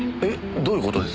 どういう事です？